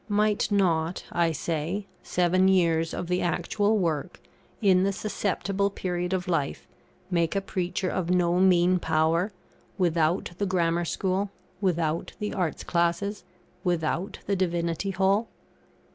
Might not, I say; seven years of the actual work, in the susceptible period of life, make a preacher of no mean power, without the Grammar School, without the Arts' Classes, without the Divinity Hall?